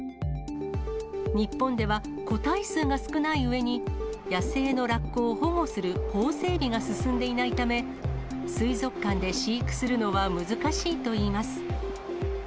日本では、個体数が少ないうえに、野生のラッコを保護する法整備が進んでいないため、水族館で飼育するのは難しいといいます。